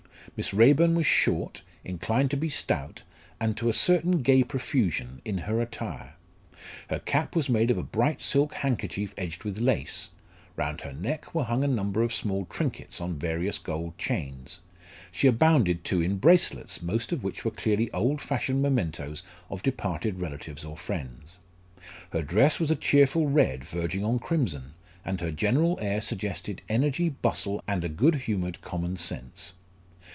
Miss Raeburn was short, inclined to be stout, and to a certain gay profusion in her attire. Her cap was made of a bright silk handkerchief edged with lace; round her neck were hung a number of small trinkets on various gold chains; she abounded too in bracelets, most of which were clearly old fashioned mementos of departed relatives or friends. Her dress was a cheerful red verging on crimson; and her general air suggested energy, bustle, and a good humoured common sense.